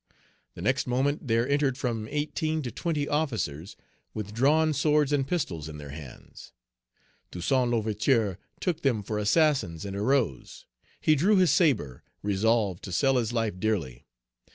The next moment there entered from eighteen to twenty officers, with drawn swords and pistols in their hands. Toussaint L'Ouverture took them for assassins, and arose. He drew his sabre, resolved to sell his life dearly.